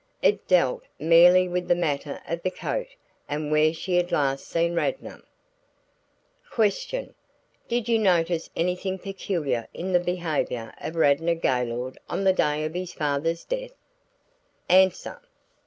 It dealt merely with the matter of the coat and where she had last seen Radnor. "Question. 'Did you notice anything peculiar in the behavior of Radnor Gaylord on the day of his father's death?' "_Answer.